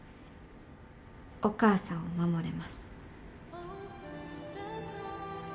お母さんを守れます。